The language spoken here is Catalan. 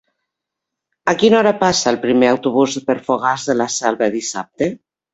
A quina hora passa el primer autobús per Fogars de la Selva dissabte?